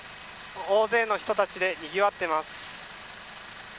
大勢の人たちでにぎわっています。